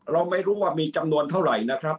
เราไม่รู้ว่ามีจำนวนเท่าไหร่นะครับ